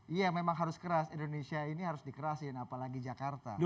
iya memang harus keras indonesia ini harus dikerasiin apalagi jakarta